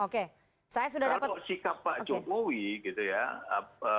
kalau sikap pak jokowi gitu ya